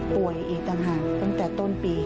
อีกต่างหากตั้งแต่ต้นปี